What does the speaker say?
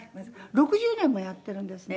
６０年もやってるんですね。